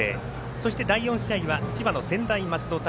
そして第４試合は千葉の専大松戸対